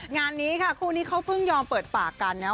งานนี้ค่ะคู่นี้เขาเพิ่งยอมเปิดปากกันนะ